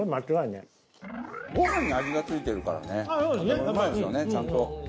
ご飯に味が付いてるからねうまいですよねちゃんと。